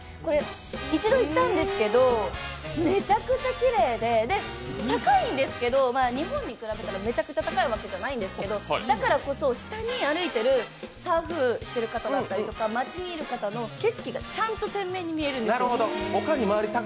一度行ったんですけど、めちゃくちゃきれいで、高いんですけれども、日本に比べたらめちゃくちゃ高いわけじゃないんですけど、だからこそ、下に歩いてるサーフしてる方だったりとか街にいる方の景色がちゃんと鮮明に見えるんですよ。